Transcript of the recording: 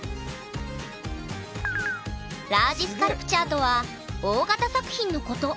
ラージスカルプチャーとは大型作品のこと。